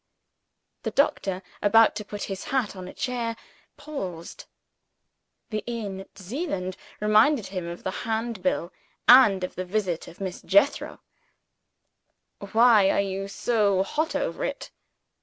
The doctor, about to put his hat on a chair, paused. The inn at Zeeland reminded him of the Handbill, and of the visit of Miss Jethro. "Why are you so hot over it?"